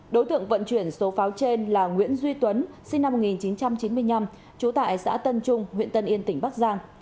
đối tượng vận chuyển số pháo trên là nguyễn duy tuấn sinh năm một nghìn chín trăm chín mươi năm trú tại xã tân trung huyện tân yên tỉnh bắc giang